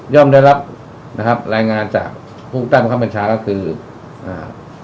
ย่อมได้รับนะครับรายงานจากผู้ใต้ประคับเป็นชาติก็คืออ่า